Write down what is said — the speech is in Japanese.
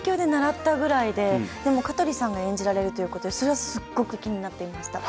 でも香取さんが演じられるということでそれはすごく気になっていました。